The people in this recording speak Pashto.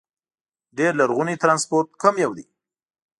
ډېر لرغونی ترانسپورت کوم یو دي؟